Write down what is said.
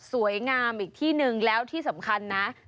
สวยงามอีกที่หนึ่งแล้วที่สำคัญนะ